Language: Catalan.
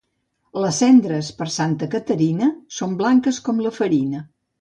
Les cendres, per Santa Caterina, són blanques com la farina.